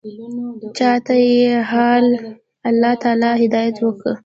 چا ته چې الله تعالى هدايت وکا.